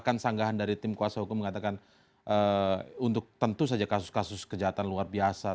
kan sanggahan dari tim kuasa hukum mengatakan untuk tentu saja kasus kasus kejahatan luar biasa